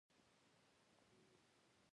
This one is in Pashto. سترګې د زړه راز ساتي